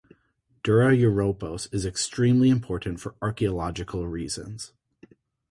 Dura-Europos is extremely important for archaeological reasons.